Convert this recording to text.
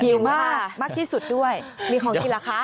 มากมากที่สุดด้วยมีของกินเหรอคะ